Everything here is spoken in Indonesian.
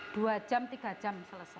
dua jam tiga jam selesai